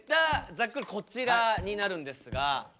ざっくりこちらになるんですが。